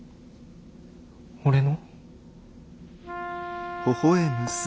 俺の？